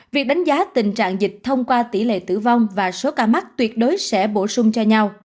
việc đánh giá tình trạng dịch thông qua tỷ lệ tử vong và số ca mắc tuyệt đối sẽ bổ sung cho nhau